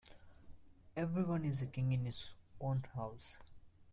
Every one is king in his own house.